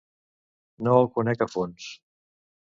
No el conec a fons.